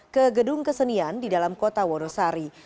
ke gedung kesenian di dalam kota wonosari